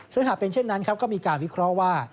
ซึ่งหากเป็นเช่นนั้นก็มีการวิเคราะห์ว่า